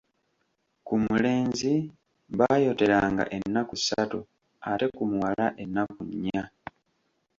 Ku mulenzi, baayoteranga ennaku ssatu ate ku muwala ennaku nnya.